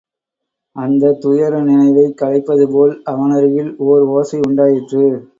அந்தத் துயர நினைவைக் கலைப்பது போல் அவனருகில் ஓர் ஒசை உண்டாயிற்று.